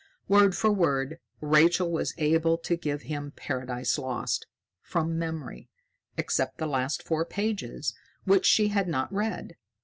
Word for word, Rachael was able to give him "Paradise Lost" from memory, except the last four pages, which she had not read.